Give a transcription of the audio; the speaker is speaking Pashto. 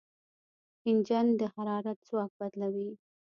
انجن د حرارت ځواک بدلوي.